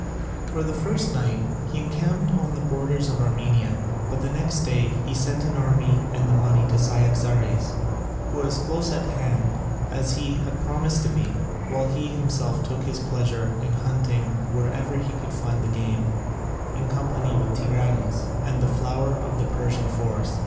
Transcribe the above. For the first night he encamped on the borders of Armenia, but the next day he sent an army and the money to Cyaxares, who was close at hand, as he had promised to be, while he himself took his pleasure in hunting wherever he could find the game, in company with Tigranes and the flower of the Persian force.